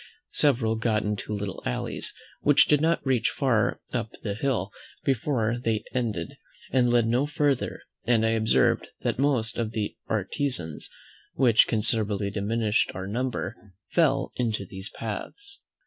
Several got into little alleys, which did not reach far up the hill before they ended, and led no further; and I observed that most of the artizans, which considerably diminished our number, fell into these paths.